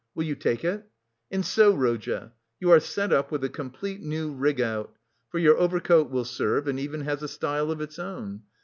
Will you take it? And so, Rodya, you are set up with a complete new rig out, for your overcoat will serve, and even has a style of its own.